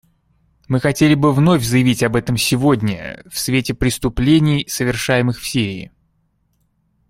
Мы хотели бы вновь заявить об этом сегодня в свете преступлений, совершаемых в Сирии.